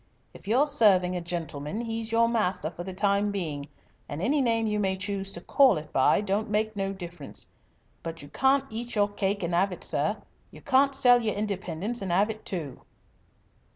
If you're serving a gentleman he's your master for the time being and any name you may choose to call it by don't make no difference. But you can't eat your cake and 'ave it, sir. You can't sell your independence and 'ave it, too."